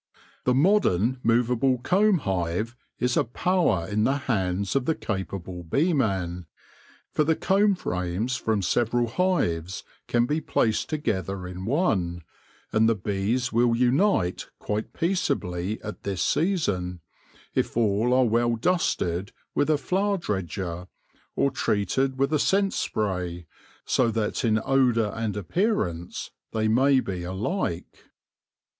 The modern movable comb hive is a power in the hands of the capable beeman, for the comb frames from several hives can be placed together in one, and the bees will unite quite peace ably at this season, if all are well dusted with a flour dredger, or treated with a scent spray, so that in odour and appearance they may be alike.